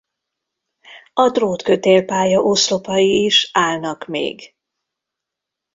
A drótkötélpálya oszlopai is állnak még.